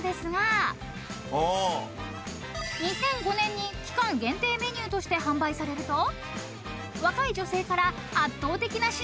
［２００５年に期間限定メニューとして販売されると］